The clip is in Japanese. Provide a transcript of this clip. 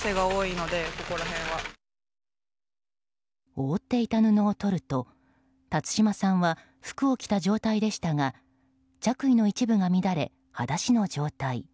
覆っていた布を取ると辰島さんは服を着た状態でしたが着衣の一部が乱れはだしの状態。